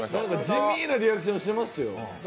地味なリアクションしてますよ。